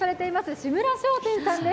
志村商店さんです。